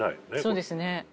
そうですね。